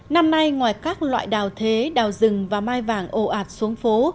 năm nay ngoài các loại đào thế đào rừng và mai vàng ồ ạt xuống phố